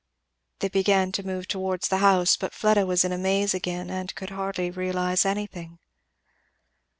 They began to move towards the house, but Fleda was in a maze again and could hardly realize anything.